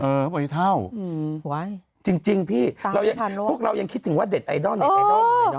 บ่อยเท่าจริงพี่พวกเรายังคิดถึงว่าเด็ดไอดอลไหนไอดอลเลยเน